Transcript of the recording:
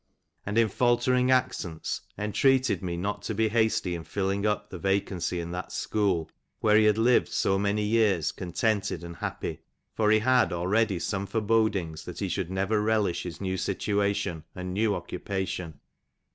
And in faltering accents, entreated me not to be too hasty in filling up the vacancy in that school, where he had lived so many years contented and happy : for he had already some forebodings that he should never relish his new situation and new occupation.